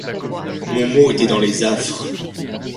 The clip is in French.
Momo était dans les affres.